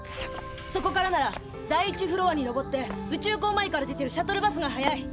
そこからなら第１フロアにのぼって宇宙港前から出てるシャトルバスが早い。